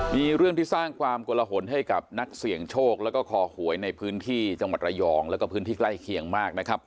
มีเรื่องที่สร้างความกลหนให้กับนักเสี่ยงโชคแล้วก็คอหวยในพื้นที่จังหวัดระยองแล้วก็พื้นที่ใกล้เคียงมากนะครับ